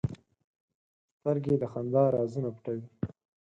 سترګې د خندا رازونه پټوي